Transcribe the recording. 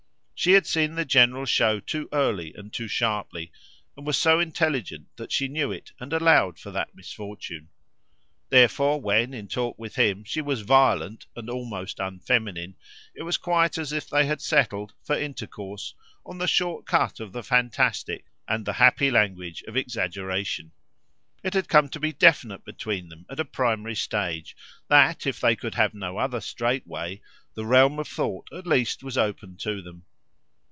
She had seen the general show too early and too sharply, and was so intelligent that she knew it and allowed for that misfortune; therefore when, in talk with him, she was violent and almost unfeminine, it was quite as if they had settled, for intercourse, on the short cut of the fantastic and the happy language of exaggeration. It had come to be definite between them at a primary stage that, if they could have no other straight way, the realm of thought at least was open to them.